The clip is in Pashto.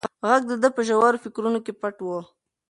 غږ د ده په ژورو فکرونو کې پټ و.